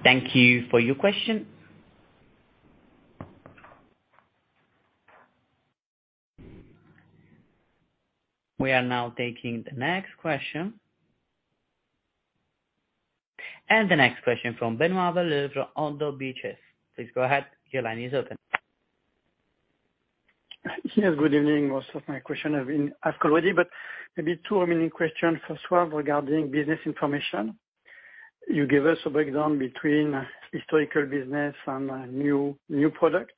Thank you for your question. We are now taking the next question. The next question from Benoit Bellez from Oddo BHF. Please go ahead. Your line is open. Yes, good evening. Most of my question have been asked already, but maybe two remaining questions. First one regarding business information. You gave us a breakdown between historical business and new product.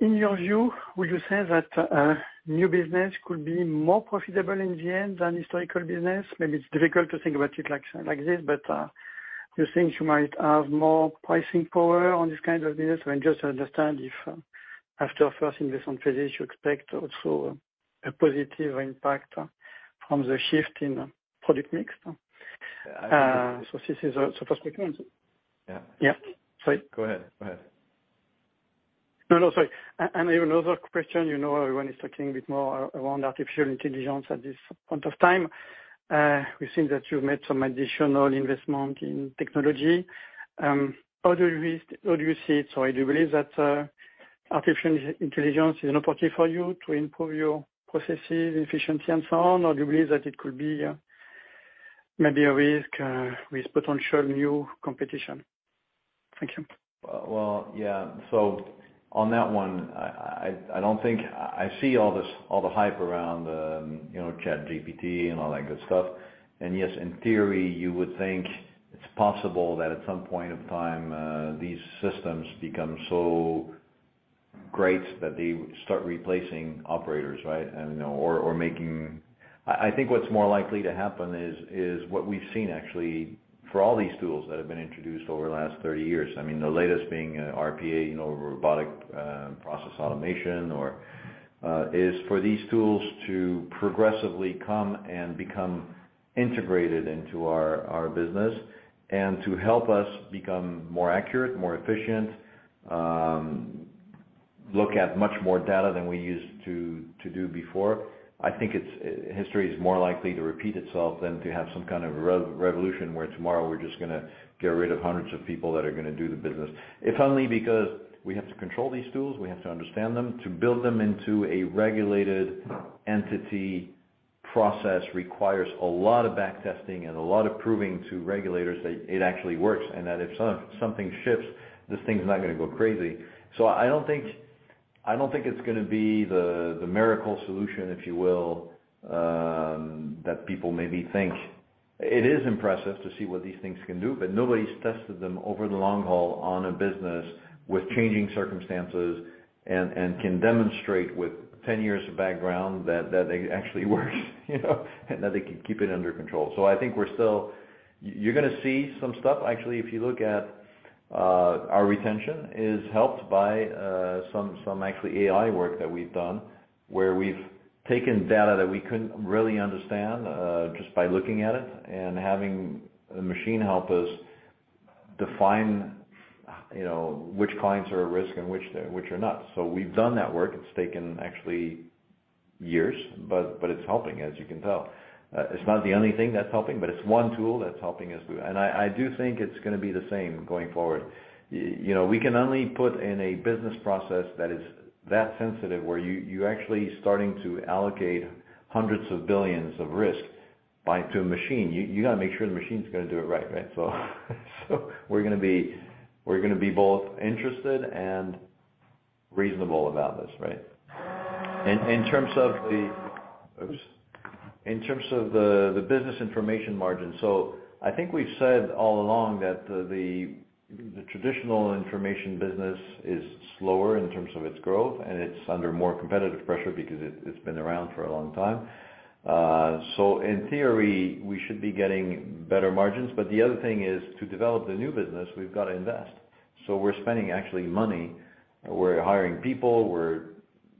In your view, would you say that new business could be more profitable in the end than historical business? Maybe it's difficult to think about it like this, but you think you might have more pricing power on this kind of business? Just to understand if, after first investment phase, you expect also a positive impact from the shift in product mix. This is the first question. Yeah. Yeah. Sorry. Go ahead. Go ahead. No, no, sorry. Even another question, you know, everyone is talking a bit more around Artificial Intelligence at this point of time. We've seen that you've made some additional investment in technology. How do you see it? Do you believe that Artificial Intelligence is an opportunity for you to improve your processes, efficiency, and so on? Do you believe that it could be maybe a risk with potential new competition? Thank you. Well, yeah, on that one, I see all this, all the hype around, you know, ChatGPT and all that good stuff. Yes, in theory, you would think it's possible that at some point of time, these systems become so great that they start replacing operators, right? You know, I think what's more likely to happen is what we've seen actually for all these tools that have been introduced over the last 30 years, I mean, the latest being RPA, you know, Robotic Process Automation, or is for these tools to progressively come and become integrated into our business, and to help us become more accurate, more efficient, look at much more data than we used to do before. I think it's, history is more likely to repeat itself than to have some kind of revolution, where tomorrow we're just gonna get rid of hundreds of people that are gonna do the business. If only because we have to control these tools, we have to understand them. To build them into a regulated entity process requires a lot of back testing and a lot of proving to regulators that it actually works, and that if something shifts, this thing's not gonna go crazy. I don't think it's gonna be the miracle solution, if you will, that people maybe think. It is impressive to see what these things can do, but nobody's tested them over the long haul on a business with changing circumstances, and can demonstrate with 10 years of background that they actually work, you know, and that they can keep it under control. I think we're still gonna see some stuff. Actually, if you look at, our retention is helped by some actually AI work that we've done, where we've taken data that we couldn't really understand, just by looking at it, and having the machine help us define, you know, which clients are at risk and which are not. We've done that work. It's taken actually years, but it's helping, as you can tell. It's not the only thing that's helping, but it's one tool that's helping us. I do think it's gonna be the same going forward. You know, we can only put in a business process that is that sensitive, where you actually starting to allocate hundreds of billions of risk to a machine. You gotta make sure the machine's gonna do it right? We're gonna be both interested and reasonable about this, right? In terms of the business information margin, so I think we've said all along that the traditional information business is slower in terms of its growth, and it's under more competitive pressure because it's been around for a long time. In theory, we should be getting better margins. The other thing is, to develop the new business, we've got to invest. We're spending actually money, we're hiring people,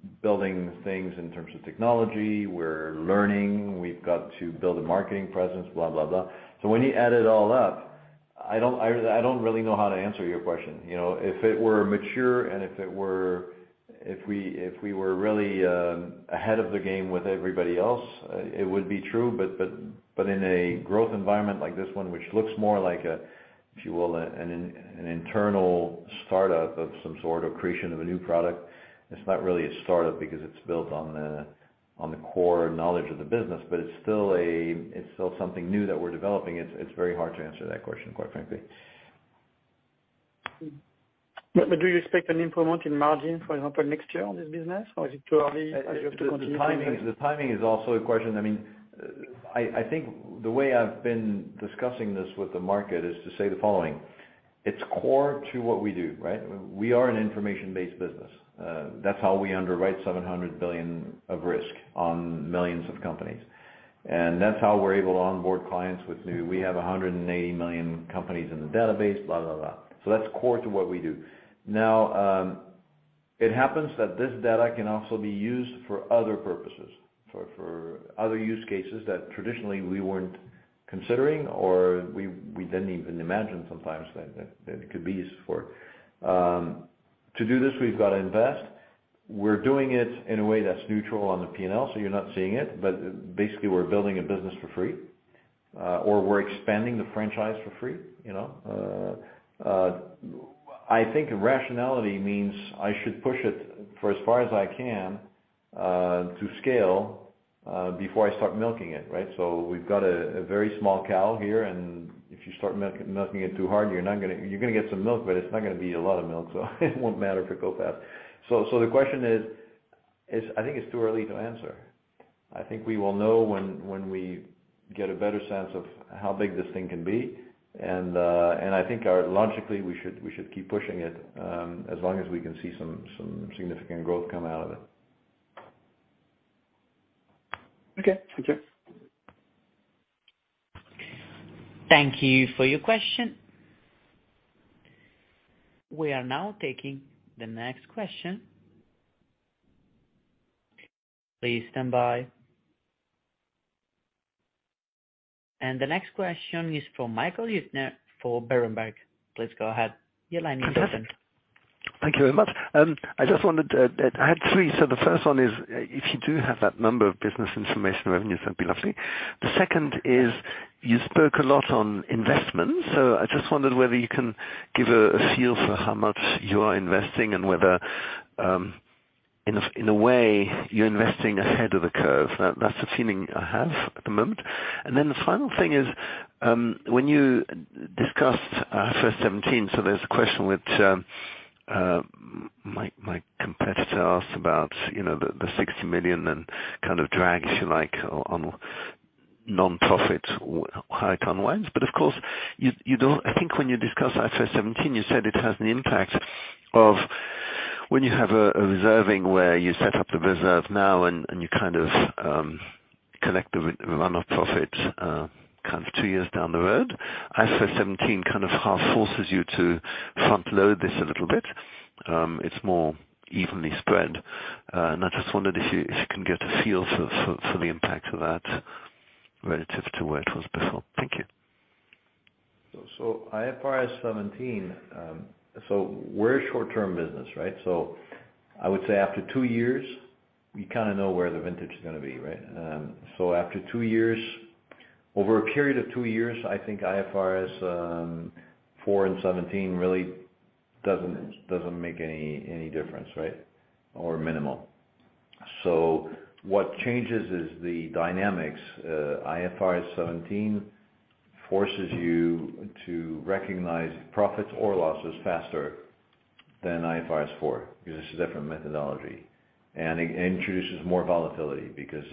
we're building things in terms of technology, we're learning, we've got to build a marketing presence, blah, blah. When you add it all up, I don't, I don't really know how to answer your question. You know, if it were mature and if it were if we were really ahead of the game with everybody else, it would be true, but in a growth environment like this one, which looks more like a, if you will, an internal startup of some sort, or creation of a new product, it's not really a startup because it's built on the, on the core knowledge of the business, but it's still something new that we're developing. It's very hard to answer that question, quite frankly. Do you expect an improvement in margin, for example, next year on this business? Or is it too early for you to continue? The timing is also a question. I mean, I think the way I've been discussing this with the market is to say the following: It's core to what we do, right? We are an information-based business. That's how we underwrite 700 billion of risk on millions of companies. That's how we're able to onboard clients with new. We have 180 million companies in the database, blah, blah. That's core to what we do. It happens that this data can also be used for other purposes, for other use cases that traditionally we weren't considering or we didn't even imagine sometimes that it could be used for. To do this, we've got to invest.... We're doing it in a way that's neutral on the P&L, so you're not seeing it, but basically, we're building a business for free, or we're expanding the franchise for free, you know. I think rationality means I should push it for as far as I can to scale before I start milking it, right? We've got a very small cow here, and if you start milking it too hard, you're not gonna get some milk, but it's not gonna be a lot of milk, so it won't matter for Coface. The question is, I think it's too early to answer. I think we will know when we get a better sense of how big this thing can be, and I think logically, we should keep pushing it, as long as we can see some significant growth come out of it. Okay. Thank you. Thank you for your question. We are now taking the next question. Please stand by. The next question is from Michael Huttner for Berenberg. Please go ahead. Your line is open. Thank you very much. I had 3. The first one is, if you do have that number of business information revenue, that'd be lovely. The second is, you spoke a lot on investment, I just wondered whether you can give a feel for how much you are investing and whether, in a way, you're investing ahead of the curve. That's the feeling I have at the moment. The final thing is, when you discussed IFRS 17, there's a question which my competitor asked about, you know, the 60 million and kind of drags you like on non-profit-making lines. Of course, you, I think when you discussed IFRS 17, you said it has an impact of when you have a reserving, where you set up a reserve now and you kind of, collect the run of profit, kind of two years down the road. IFRS 17 kind of half forces you to front load this a little bit. It's more evenly spread. And I just wondered if you, if you can get a feel for, for the impact of that relative to where it was before. Thank you. IFRS 17, we're a short-term business, right? I would say after 2 years, we kinda know where the vintage is gonna be, right? After 2 years, over a period of 2 years, I think IFRS 4 and 17 really doesn't make any difference, right? Or minimal. What changes is the dynamics. IFRS 17 forces you to recognize profits or losses faster than IFRS 4, because it's a different methodology. It introduces more volatility, because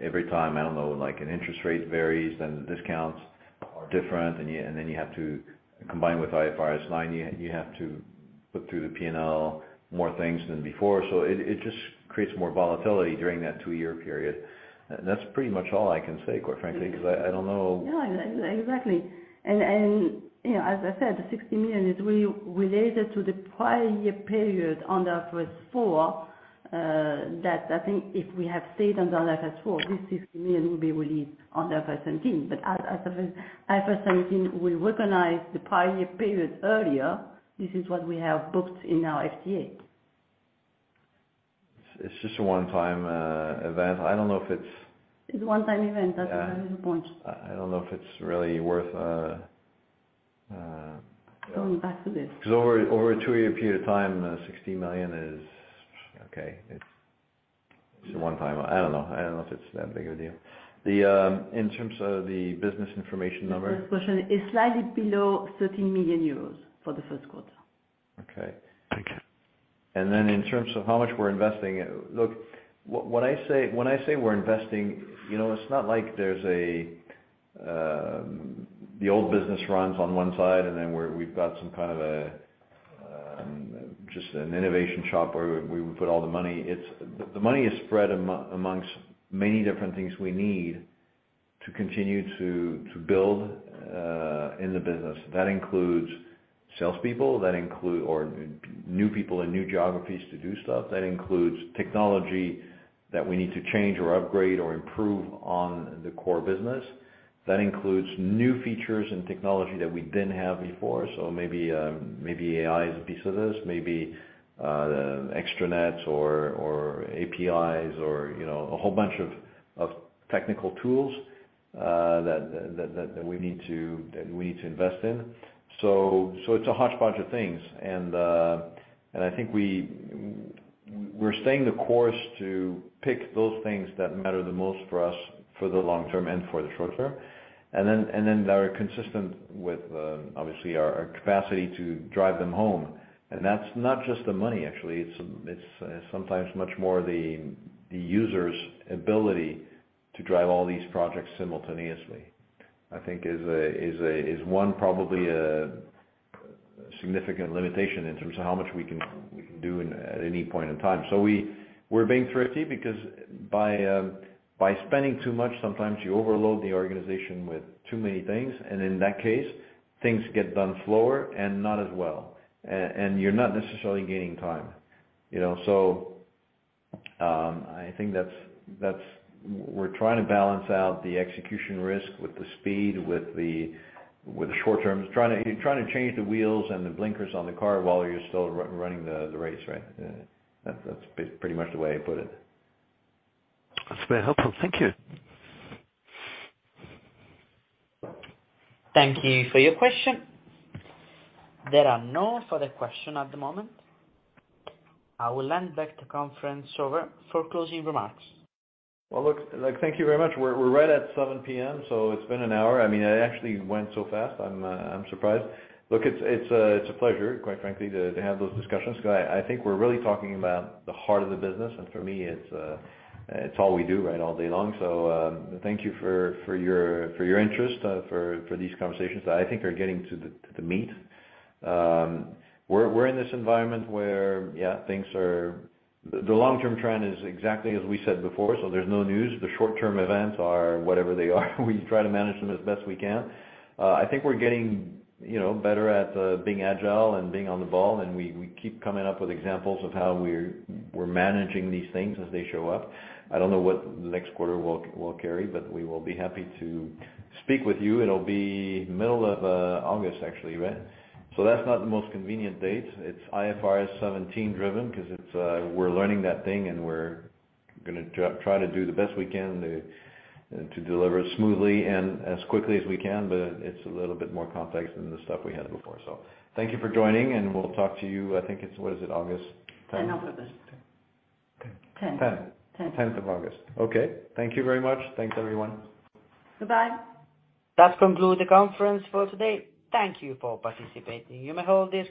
every time, I don't know, like, an interest rate varies, then the discounts are different, and then you have to combine with IFRS 9, you have to look through the P&L, more things than before. It just creates more volatility during that 2-year period. That's pretty much all I can say, quite frankly, 'cause I don't know- Yeah, exactly. you know, as I said, the 60 million is really related to the prior year period on the IFRS 4, that I think if we had stayed under IFRS 4, this EUR 60 million will be released under IFRS 17. As IFRS 17, we recognize the prior year period earlier, this is what we have booked in our FTA. It's just a one-time event. I don't know if it's- It's one time event, that's the point. I don't know if it's really worth. Going back to this. 'Cause over a two-year period of time, 60 million is okay. It's a one-time. I don't know if it's that big of a deal. The in terms of the business information number? The first question is slightly below 13 million euros for the first quarter. Okay. Thank you. In terms of how much we're investing, look, when I say we're investing, you know, it's not like there's a the old business runs on one side, and then we've got some kind of a just an innovation shop where we would put all the money. The money is spread amongst many different things we need to continue to build in the business. That includes salespeople, or new people and new geographies to do stuff. That includes technology that we need to change or upgrade or improve on the core business. That includes new features and technology that we didn't have before. Maybe, maybe AI is a piece of this, maybe extranets or APIs or, you know, a whole bunch of technical tools that we need to invest in. It's a hodgepodge of things, and I think we're staying the course to pick those things that matter the most for us, for the long term and for the short term. That are consistent with obviously, our capacity to drive them home. That's not just the money, actually, it's sometimes much more the user's ability to drive all these projects simultaneously. I think is one probably significant limitation in terms of how much we can do at any point in time. We're being thrifty because by spending too much, sometimes you overload the organization with too many things, and in that case, things get done slower and not as well. And you're not necessarily gaining time, you know? We're trying to balance out the execution risk with the speed, with the short term. Trying to change the wheels and the blinkers on the car while you're still running the race, right? That's pretty much the way I put it. That's very helpful. Thank you. Thank you for your question. There are no further questions at the moment. I will hand back to conference over for closing remarks. Well, look, like, thank you very much. We're right at 7:00 P.M., so it's been an hour. I mean, it actually went so fast. I'm surprised. Look, it's a pleasure, quite frankly, to have those discussions, because I think we're really talking about the heart of the business, and for me, it's all we do, right? All day long. Thank you for your interest, for these conversations that I think are getting to the meat. We're in this environment where, yeah, things are... The long-term trend is exactly as we said before, so there's no news. The short-term events are whatever they are, we try to manage them as best we can. I think we're getting, you know, better at being agile and being on the ball, and we keep coming up with examples of how we're managing these things as they show up. I don't know what next quarter will carry, we will be happy to speak with you. It'll be middle of August, actually, right? That's not the most convenient date. It's IFRS 17 driven, 'cause it's, we're learning that thing, we're gonna try to do the best we can to deliver it smoothly and as quickly as we can, it's a little bit more complex than the stuff we had before. Thank you for joining, we'll talk to you, I think it's... What is it? August? 10th August. Okay. Tenth. Tenth. Tenth. Tenth of August. Okay. Thank you very much. Thanks, everyone. Bye-bye. That concludes the conference for today. Thank you for participating. You may hold this conference-